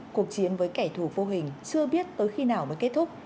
cuộc chiến với kẻ thù vô hình chưa biết tới khi nào mới kết thúc